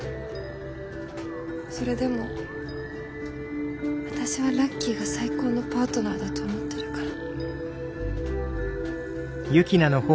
それでも私はラッキーが最高のパートナーだと思ってるから。